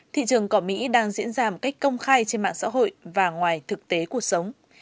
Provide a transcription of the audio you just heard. thị trường cỏ mỹ đang diễn ra một cách công khai trên mạng xã hội và ngoài thực tế cuộc sống